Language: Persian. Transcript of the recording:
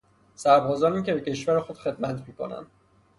سربازانی که به کشور خود خدمت میکنند